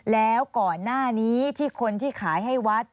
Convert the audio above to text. แล้วก่อนหน้านี้ที่คนที่ขายให้วัด